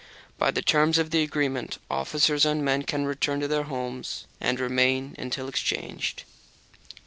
By the terms of the agreement, officers and men can return to their homes and remain there until exchanged.